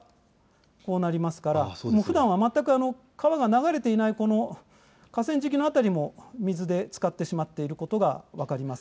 ふだんは全く川が流れていない河川敷の辺りも水でつかってしまっていることが分かります。